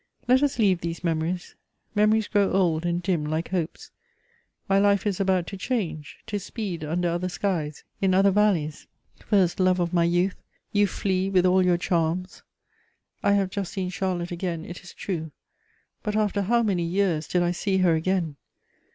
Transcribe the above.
Let us leave these memories; memories grow old and dim like hopes. My life is about to change, to speed under other skies, in other valleys. First love of my youth, you flee with all your charms! I have just seen Charlotte again, it is true; but after how many years did I see her again?